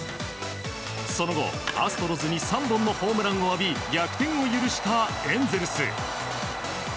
その後、アストロズに３本のホームランを浴び逆転を許したエンゼルス。